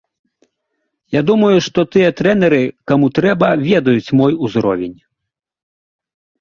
Я думаю, што тыя трэнеры, каму трэба, ведаюць мой узровень.